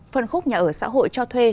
phần khúc nhà ở xã hội cho thuê